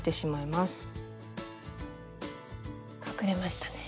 隠れましたね。